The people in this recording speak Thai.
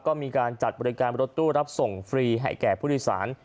ก็มีการจัดบริการรถตู้รับส่งฟรีให้แก่ผู้โดยสาร